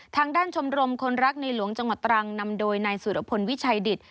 ทางด้านชมรมคนรักในหลวงจังหวัดตรังนำโดยนายสุรพลวิชัยดิต